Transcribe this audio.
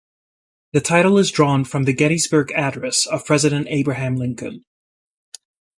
The title is drawn from the Gettysburg Address of President Abraham Lincoln.